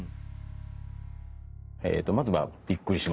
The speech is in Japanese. まずはびっくりしましたね。